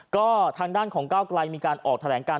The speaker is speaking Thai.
ก็ทางด้านของก้าวไกลมีการออกแถลงการ